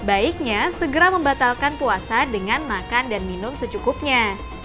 baiknya segera membatalkan puasa dengan makan dan minum secukupnya